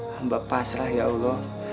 hamba pasrah ya allah